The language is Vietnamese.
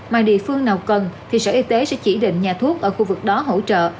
mà địa phương nào cần thì sở y tế sẽ chỉ định nhà thuốc ở khu vực đó hỗ trợ